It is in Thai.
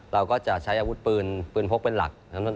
เราก็จะใช้อาวุธปืนปืนพกเป็นหลัก